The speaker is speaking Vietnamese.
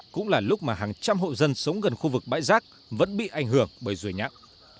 cũng là lúc mà hàng trăm hộ dân sống gần khu vực bãi rác vẫn bị ảnh hưởng bởi rùi nhạ